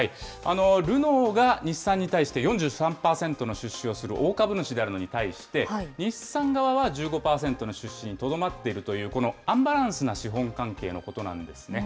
ルノーが日産に対して４３％の出資をする大株主であるのに対して、日産側は１５％の出資にとどまっているという、このアンバランスな資本関係のことなんですね。